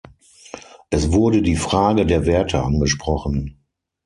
Es wurde die Frage der Werte angesprochen.